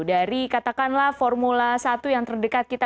dari katakanlah formula satu yang terdekat kita